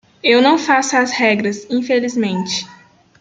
Eu não faço as regras infelizmente.